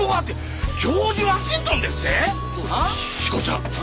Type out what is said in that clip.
彦ちゃん